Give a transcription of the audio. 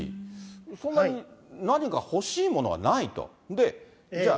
そんなに何か欲しいものはないと。